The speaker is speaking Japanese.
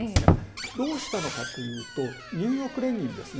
どうしたのかというとニューヨーク連銀ですね。